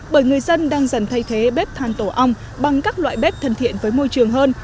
bởi người dân đang dần thay thế bếp than tổ ong bằng các loại bếp thân thiện với môi trường hơn